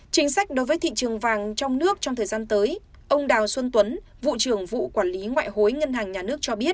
chính sách đối với thị trường vàng trong nước trong thời gian tới ông đào xuân tuấn vụ trưởng vụ quản lý ngoại hối ngân hàng nhà nước cho biết